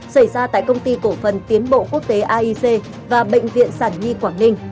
xảy ra tại công ty cổ phần tiến bộ quốc tế aic và bệnh viện sản nhi quảng ninh